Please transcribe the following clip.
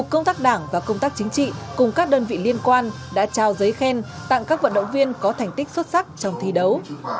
công tác đảng và công tác chính trị cùng các đơn vị liên quan đã trao giấy khen tặng các vận động viên có thành tích xuất sắc trong thi đấu